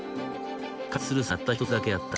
解決する策がたった一つだけあった。